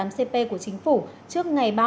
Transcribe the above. một trăm ba mươi tám cp của chính phủ trước ngày